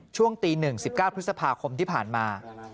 ช่วงตี๑๑๙พฤษภาคมที่ผ่านมา